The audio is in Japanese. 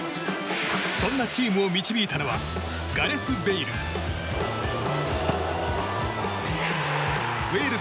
そんなチームを導いたのはガレス・ベイル。